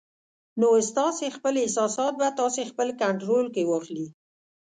نو ستاسې خپل احساسات به تاسې خپل کنټرول کې واخلي